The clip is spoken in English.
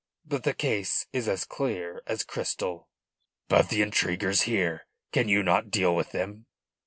But the case is as clear as crystal." "But the intriguers here? Can you not deal with them?"